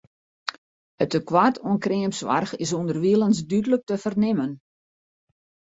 It tekoart oan kreamsoarch is ûnderwilens dúdlik te fernimmen.